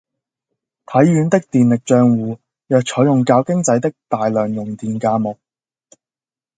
體院的電力帳戶若採用較經濟的大量用電價目